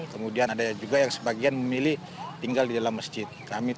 kemudian ada juga yang sebagian memilih tinggal di dalam masjid